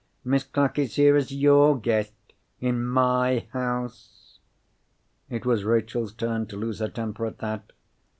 "Miss Clack is here as your guest—in my house?" It was Rachel's turn to lose her temper at that.